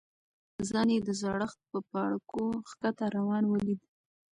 ځان یې د زړښت په پاړکو ښکته روان ولید.